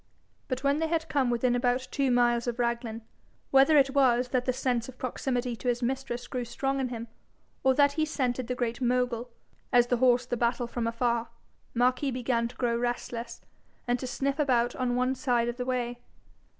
But when they had come within about two miles of Raglan, whether it was that the sense of proximity to his mistress grew strong in him, or that he scented the Great Mogul, as the horse the battle from afar, Marquis began to grow restless, and to sniff about on one side of the way.